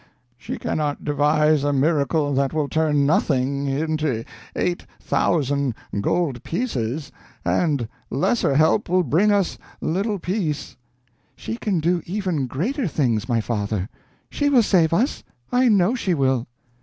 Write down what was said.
"She cannot devise a miracle that will turn NOTHING into eight thousand gold pieces, and lesser help will bring us little peace." "She can do even greater things, my father. She will save us, I know she will."